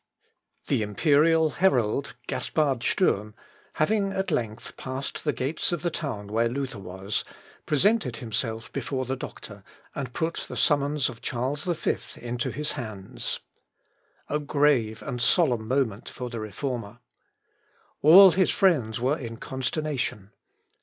The imperial herald, Gaspard Sturm, having at length passed the gates of the town where Luther was, presented himself before the doctor, and put the summons of Charles V into his hands. A grave and solemn moment for the Reformer! All his friends were in consternation.